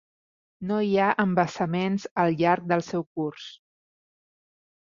No hi ha embassaments al llarg del seu curs.